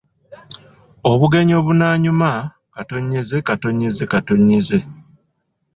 Obugenyi obunaanyuma, ……………..